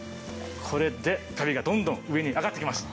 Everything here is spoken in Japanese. これでカビがどんどん上に上がってきます。